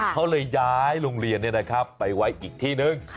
เขาเลยย้ายโรงเรียนไปไว้อีกที่นึง